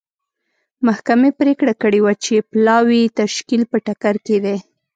محکمې پرېکړه کړې وه چې پلاوي تشکیل په ټکر کې دی.